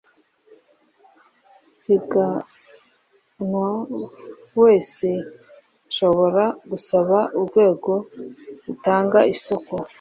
upiganwa wese ashobora gusaba urwego rutanga isoko